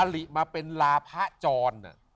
ลิมาเป็นลาพะจร